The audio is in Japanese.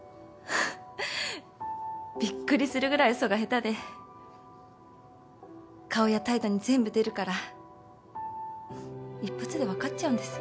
びっくりするぐらい嘘が下手で顔や態度に全部出るから一発で分かっちゃうんです。